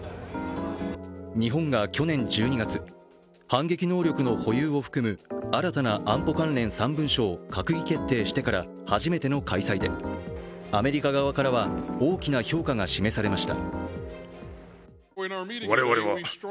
日本が去年１２月、反撃能力の保有を含む新たな安保関連３文書を閣議決定してから初めての開催でアメリカ側からは大きな評価が示されました。